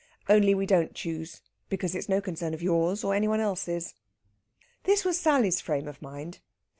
Only we don't choose, because it's no concern of yours or any one else's. This was Sally's frame of mind.